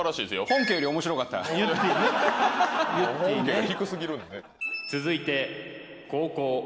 本家が低すぎるんでね